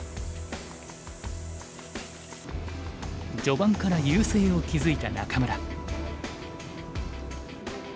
序盤から優勢を築いた仲邑。